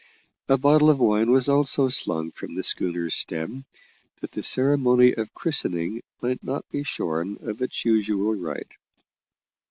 A bottle of wine was also slung from the schooner's stem, that the ceremony of christening might not be shorn of its usual rite.